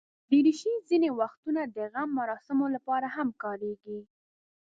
دریشي ځینې وختونه د غم مراسمو لپاره هم کارېږي.